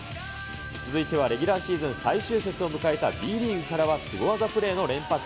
続いてはレギュラーシーズン最終節を迎えたＢリーグからは、スゴ技プレーの連発。